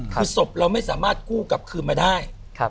คือศพเราไม่สามารถกู้กลับคืนมาได้